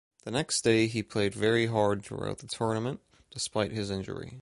The next day he played very hard throughout the tournament, despite his injury.